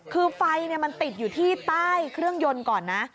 คือไฟมันติดอยู่ที่ใต้เครื่องยนต์ก่อนนะ